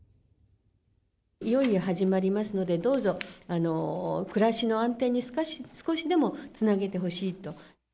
いよいよ始まりますので、どうぞ、暮らしの安定に少しでもつなげてほしいと。